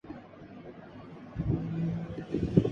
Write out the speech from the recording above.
ابن حکام وہی پرانا غدار امت ہوتا ہے جو زبردستی